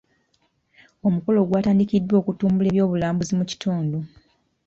Omukolo gwatandikiddwa okutumbula ebyobulambuzi mu kitundu.